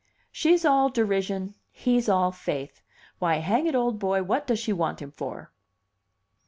She's all derision, he's all faith. Why, hang it, old boy, what does she want him for?"